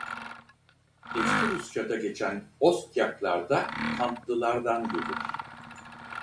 Eski Rusçada geçen Ostyaklar da Kantılardan gelir.